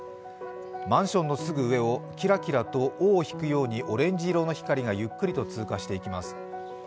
マンションのすぐ上をキラキラと尾を引くようにオレンジ色の光がゆっくりと通過していきます。